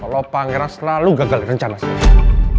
kalau pangeran selalu gagal rencana sih